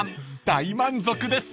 大満足です］